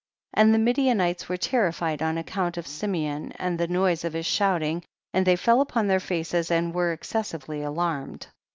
13. And the Midianites were ter rified on account of Simeon and the noise of his shouting, and they fell upon their faces, and were excessive ly alarmed.